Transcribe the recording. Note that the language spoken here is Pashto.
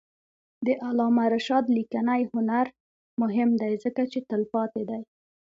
د علامه رشاد لیکنی هنر مهم دی ځکه چې تلپاتې دی.